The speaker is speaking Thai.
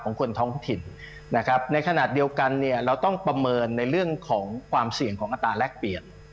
คนท้องถิ่นนะครับในขณะเดียวกันเนี่ยเราต้องประเมินในเรื่องของความเสี่ยงของอัตราแรกเปลี่ยน